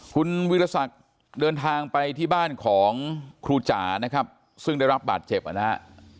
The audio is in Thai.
คุณวิรสักเดินทางไปที่บ้านของครูจ๋านะครับซึ่งได้รับบาดเจ็บนะฮะ